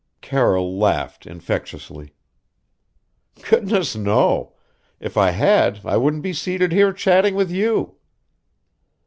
Carroll laughed infectiously. "Goodness, no! If I had, I wouldn't be seated here chatting with you."